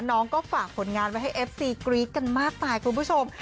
น้องก็ฝากผลงานไว้ให้เอฟซีกรี๊ดกันมากมายคุณผู้ชม